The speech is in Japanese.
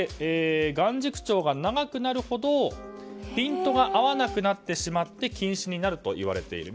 眼軸長が長くなるほどピントが合わなくなってしまって近視になるといわれている。